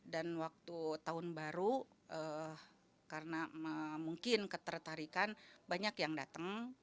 dan waktu tahun baru karena mungkin ketertarikan banyak yang datang